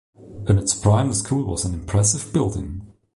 In its prime, the school was an impressive building.